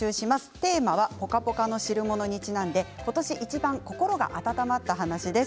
テーマはポカポカの汁物にちなんで今年いちばん心が温まった話です。